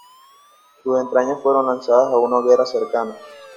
Sus entrañas fueron lanzadas a una hoguera cercana.